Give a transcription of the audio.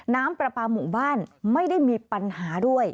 น้ำปลาปลาหมู่บ้านไม่ได้มีปัญหาด้วย